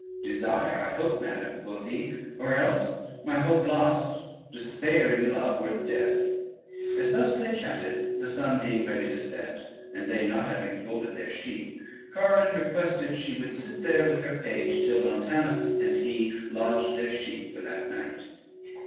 "Desire, I hope madam," quoth he, "or else, my hope lost, despair in love were death." As thus they chatted, the sun being ready to set, and they not having folded their sheep, Corydon requested she would sit there with her page, till Montanus and he lodged their sheep for that night.